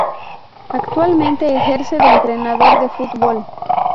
Actualmente ejerce de entrenador de fútbol.